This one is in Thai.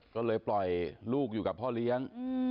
ก็เลยปล่อยลูกอยู่กับพ่อเลี้ยง